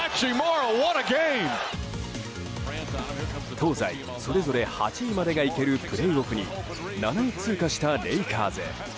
東西それぞれ８位までがいけるプレーオフに７位通過したレイカーズ。